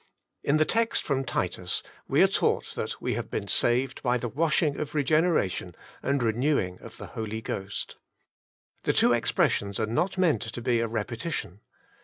In the text from Titus we are taught that we have been " saved by the washing of regeneration and Eenew ING OF THE Holy Ghost/' The two expressions are not meant to be a repetition.